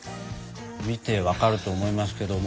見てわかると思いますけども。